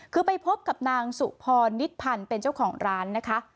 คือไปพบกับนางสุพรนิชพันธ์เป็นเจ้าของร้านนะคะ